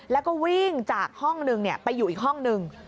แล้วก็วิ่งจากห้องนึงไปอยู่อีกห้องหนึ่ง